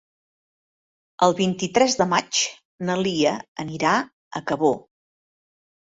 El vint-i-tres de maig na Lia anirà a Cabó.